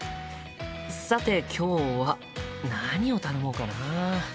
さて今日は何を頼もうかな？